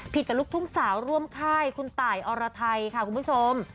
กับลูกทุ่งสาวร่วมค่ายคุณตายอรไทยค่ะคุณผู้ชม